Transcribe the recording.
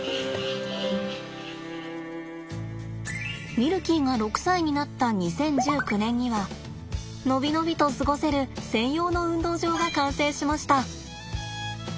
ミルキーが６歳になった２０１９年には伸び伸びと過ごせる専用の運動場が完成しました。